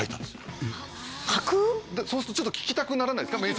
でそうするとちょっと聞きたくならないですか？